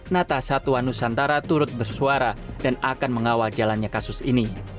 natasatwa nusantara turut bersuara dan akan mengawal jalannya kasus ini